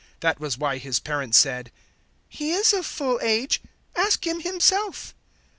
009:023 That was why his parents said, "He is of full age: ask him himself."